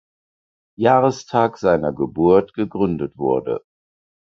Jahrestages seiner Geburt gegründet wurde.